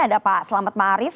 ada pak selamat marif